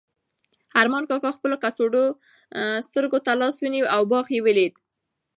ارمان کاکا خپلو کڅوړنو سترګو ته لاس ونیو او باغ یې ولید.